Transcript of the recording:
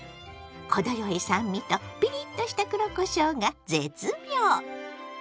程よい酸味とピリッとした黒こしょうが絶妙！